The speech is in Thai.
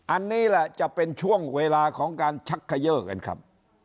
อันนี้แหละจะเป็นช่วงเวลาของการชักเขย่อกันครับ